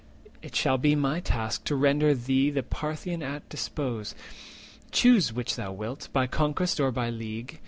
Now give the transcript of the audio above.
It shall be my task To render thee the Parthian at dispose, Choose which thou wilt, by conquest or by league.